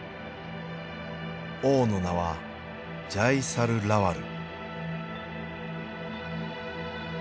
王の名はジャイサルラワル。